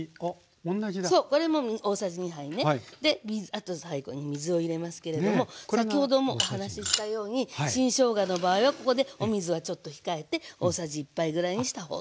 あと最後に水を入れますけれども先ほどもお話ししたように新しょうがの場合はここでお水はちょっと控えて大さじ１杯ぐらいにしたほうが。